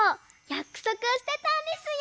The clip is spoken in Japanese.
やくそくをしてたんですよ。